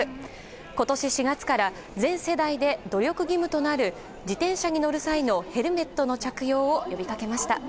今年４月から全世代で努力義務となる自転車に乗る際のヘルメットの着用を呼びかけました。